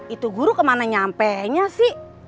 itu guru kemana nyampe nya sih